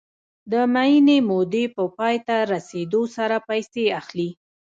د معینې مودې په پای ته رسېدو سره پیسې اخلي